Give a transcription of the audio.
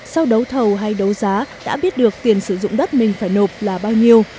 sau đấu thầu hay đấu giá đã biết được tiền sử dụng đất mình phải nộp là bao nhiêu